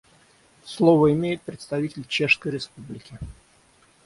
Слово имеет представитель Чешской Республики.